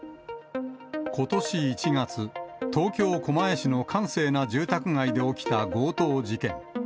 ことし１月、東京・狛江市の閑静な住宅街で起きた強盗事件。